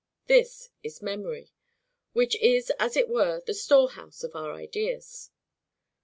This is MEMORY, which is as it were the storehouse of our ideas.